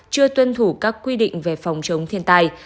chưa tuân thủ các quy định về phòng chống thiên tai